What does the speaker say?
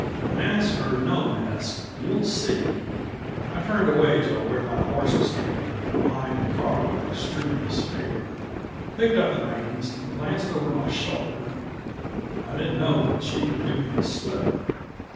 "Mask or no mask you'll see!" I turned away to where my horse was standing eying the car with extreme disfavor, picked up the reins, and glanced over my shoulder; I didn't know but she would give me the slip.